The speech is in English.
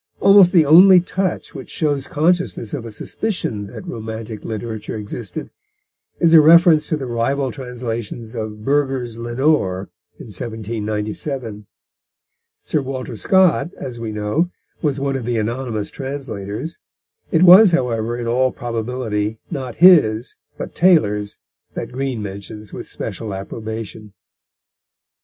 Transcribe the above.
Almost the only touch which shows consciousness of a suspicion that romantic literature existed, is a reference to the rival translations of Burger's Lenore in 1797. Sir Walter Scott, as we know, was one of the anonymous translators; it was, however, in all probability not his, but Taylor's, that Green mentions with special approbation.